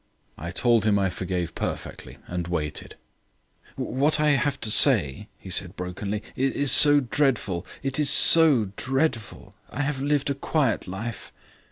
I told him I forgave perfectly and waited. "What I have to say," he said brokenly, "is so dreadful it is so dreadful I have lived a quiet life."